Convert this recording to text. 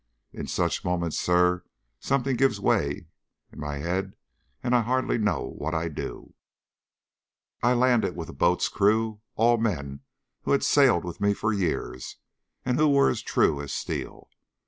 In such moments, sir, something gives way in my head, and I hardly know what I do. I landed with a boat's crew all men who had sailed with me for years, and who were as true as steel.